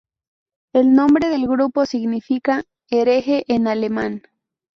El nombre del grupo significa "hereje" en alemán.